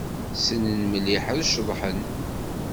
Ssnen mliḥ ad ceḍḥen.